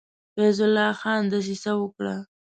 فیض الله خان دسیسه وکړه.